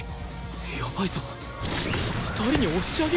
やばいぞ２人に押し上げられてる！